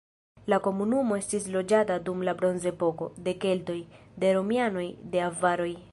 La komunumo estis loĝata dum la bronzepoko, de keltoj, de romianoj, de avaroj.